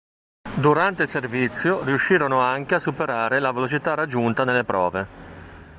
Durante il servizio, riuscirono anche a superare la velocità raggiunta nelle prove.